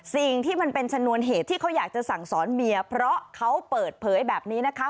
สิ่งที่มันเป็นชนวนเหตุที่เขาอยากจะสั่งสอนเมียเพราะเขาเปิดเผยแบบนี้นะคะ